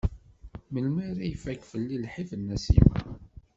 Melmi ara ifakk fell-i lḥif n Nasima?